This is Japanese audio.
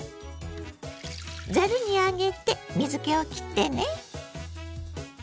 ざるに上げて水けをきってね。